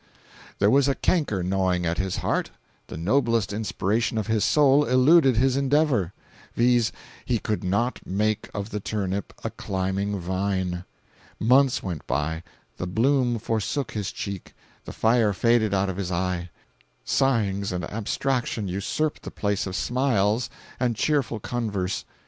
There was a canker gnawing at his heart; the noblest inspiration of his soul eluded his endeavor—viz: he could not make of the turnip a climbing vine. Months went by; the bloom forsook his cheek, the fire faded out of his eye; sighings and abstraction usurped the place of smiles and cheerful converse.